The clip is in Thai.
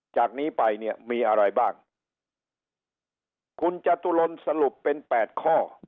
จากนี้ไปเนี่ยมีอะไรบ้างคุณจตุรนสรุปเป็น๘ข้อ